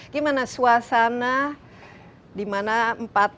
gimana suasana di mana empat